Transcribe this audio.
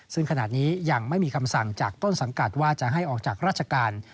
ซึ่งขณะนี้ยังไม่มีคำสั่งจากต้นสังกัดว่าจะให้ออกจากราชการ